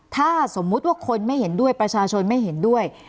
ถ้าสมมุติว่าคนไม่เห็นด้วยประชาชนไม่เห็นด้วย